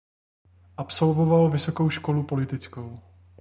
Absolvoval Vysokou školu politickou.